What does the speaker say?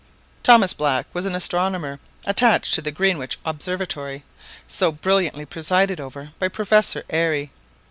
Thomas Black was an astronomer attached to the Greenwich Observatory, so brilliantly presided over by Professor Airy.